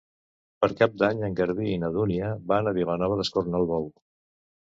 Per Cap d'Any en Garbí i na Dúnia van a Vilanova d'Escornalbou.